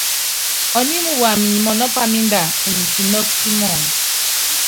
Ɔními wam nyi mɔnɔ́ pámínda, unyi kinɔ́kɔ kí muundɔ.